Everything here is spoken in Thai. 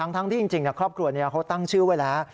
ทั้งที่จริงครอบครัวนี้เขาตั้งชื่อไว้แล้ว